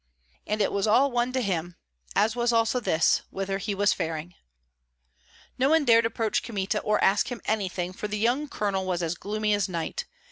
And it was all one to him, as was also this, whither he was faring. No one dared approach Kmita or ask him anything, for the young colonel was as gloomy as night.